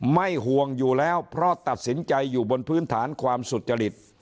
ห่วงอยู่แล้วเพราะตัดสินใจอยู่บนพื้นฐานความสุจริต